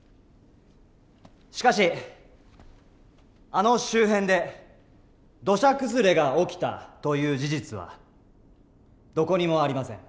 しかしあの周辺で土砂崩れが起きたという事実はどこにもありません。